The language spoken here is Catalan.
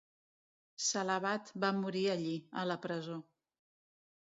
Salavat va morir allí, a la presó.